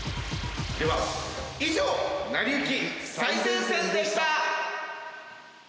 では以上「なりゆき最前線」でした。